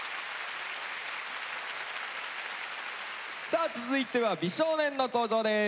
さあ続いては美少年の登場です。